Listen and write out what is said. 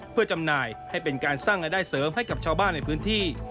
เพื่อจำหน่ายให้เป็นการสร้างรายได้เสริมให้กับชาวบ้านในพื้นที่